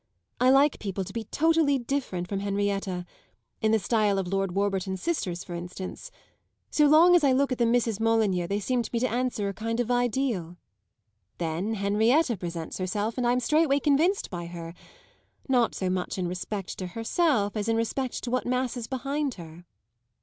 I like people to be totally different from Henrietta in the style of Lord Warburton's sisters for instance. So long as I look at the Misses Molyneux they seem to me to answer a kind of ideal. Then Henrietta presents herself, and I'm straightway convinced by her; not so much in respect to herself as in respect to what masses behind her."